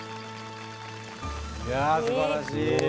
いやすばらしい！